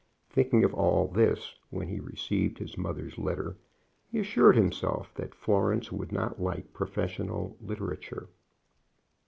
Thinking of all this when he received his mother's letter, he assured himself that Florence would not like professional literature.